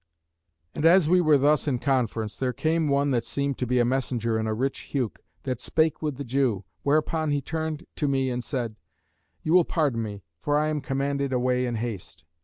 And as we were thus in conference, there came one that seemed to be a messenger, in a rich huke, that spake with the Jew: whereupon he turned to me and said; "You will pardon me, for I am commanded away in haste."